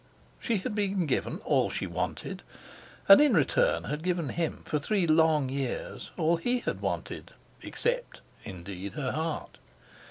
She had been given all she had wanted, and in return had given him, for three long years, all he had wanted—except, indeed, her heart.